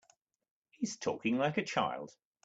He's talking like a child.